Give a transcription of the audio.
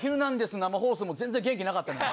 生放送も全然元気なかった。